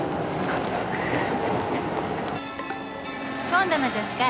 「今度の女子会。